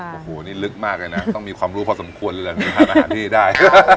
โอ้โหนี่ลึกมากเลยนะต้องมีความรู้พอสมควรเลยทานอาหารที่ได้